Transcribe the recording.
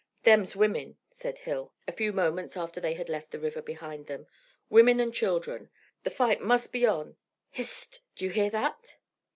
"Them's women," said Hill, a few moments after they had left the river behind them. "Women and children. The fight must be on. Hist! Do you hear that?"